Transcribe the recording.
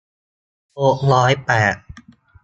หกร้อยแปด